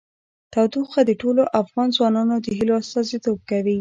تودوخه د ټولو افغان ځوانانو د هیلو استازیتوب کوي.